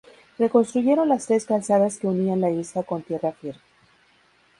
Reconstruyeron las tres calzadas que unían la isla con tierra firme.